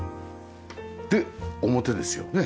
で表ですよね。